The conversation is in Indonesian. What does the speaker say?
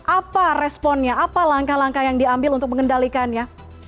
apa responnya apa langkah langkah yang diambil untuk mengendalikannya